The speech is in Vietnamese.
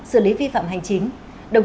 xử lý vi phạm hành chính